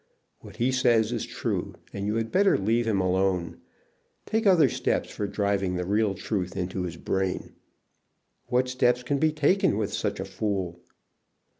What he says is true, and you had better leave him alone. Take other steps for driving the real truth into his brain." "What steps can be taken with such a fool?"